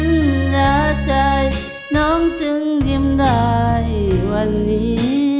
อายคือปริญญาใจน้องจึงยิ่มได้วันนี้